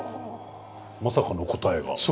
まさかの答えが。